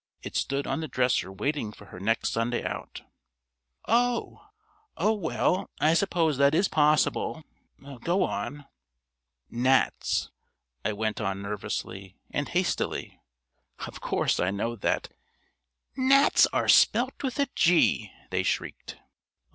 It stood on the dresser waiting for her next Sunday out." "Oh! Oh, well, I suppose that is possible. Go on." "Gnats," I went on nervously and hastily. "Of course I know that " "Gnats are spelt with a G," they shrieked.